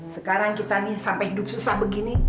sekarang kita nih sampai hidup susah begini